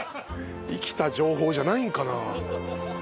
生きた情報じゃないんかな？